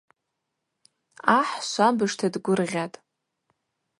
Ахӏ швабыжта дгвыргъьатӏ.